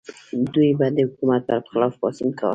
دوی به د حکومت پر خلاف پاڅون کاوه.